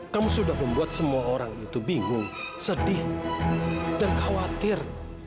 kamu sudah membuat semua orang itu bingung sedih dan khawatir